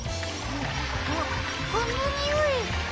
あっこのにおい。